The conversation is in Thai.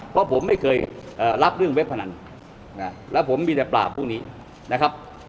เพราะผมไม่เคยรับเรื่องเว็บพนันแล้วผมมีแต่ปราบพวกนี้นะครับ